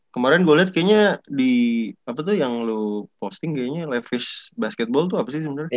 kemaren gue liat kayaknya di apa tuh yang lu posting kayaknya levis basketball tuh apa sih sebenernya